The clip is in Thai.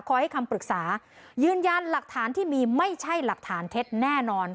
ให้คำปรึกษายืนยันหลักฐานที่มีไม่ใช่หลักฐานเท็จแน่นอน